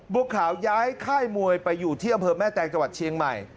บัวขาวย้ายค่ายมวยไปอยู่ที่อำเภอแม่แตงจังหวัดเชียงใหม่